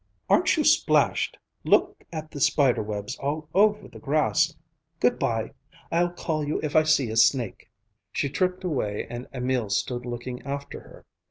Aren't you splashed! Look at the spider webs all over the grass. Good bye. I'll call you if I see a snake." She tripped away and Emil stood looking after her.